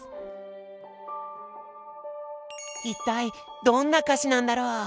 一体どんな歌詞なんだろう？